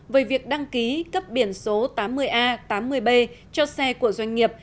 về việc đăng ký cấp biển số tám mươi a tám mươi b cho xe của doanh nghiệp